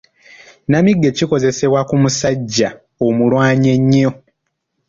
Nnamige kikozesebwa ku musajja omulwanyi ennyo.